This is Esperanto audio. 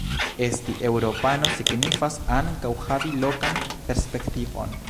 Esti eŭropano signifas ankaŭ havi lokan perspektivon".